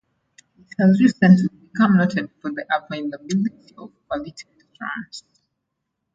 It has recently become noted for the availability of quality restaurants.